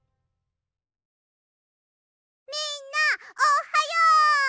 みんなおっはよう！